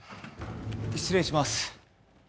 失礼します。